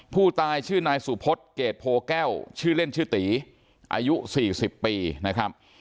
ผู้ตายชื่อนายสุพศเกรดโพแก้วชื่อเล่นชื่อตีอายุ๔๐ปีนะครับ